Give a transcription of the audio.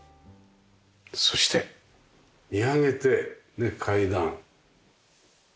そして見上げてねっ階段。